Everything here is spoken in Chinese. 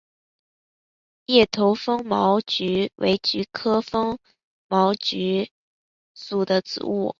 叶头风毛菊为菊科风毛菊属的植物。